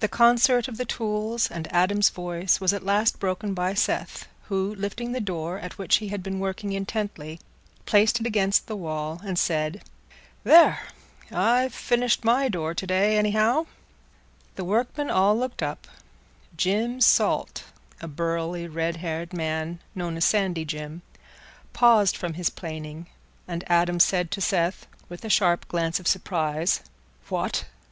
The concert of the tools and Adam's voice was at last broken by Seth, who, lifting the door at which he had been working intently, placed it against the wall, and said, "There! I've finished my door to day, anyhow." The workmen all looked up; Jim Salt, a burly, red haired man known as Sandy Jim, paused from his planing, and Adam said to Seth, with a sharp glance of surprise, "What!